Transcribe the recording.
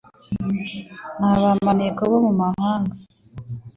na ba maneko bo mu mahanga